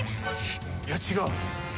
いや違う！